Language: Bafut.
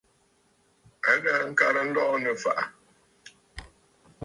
A ghaa ŋkarə nlɔɔ nɨ̂ ɨ̀fàʼà.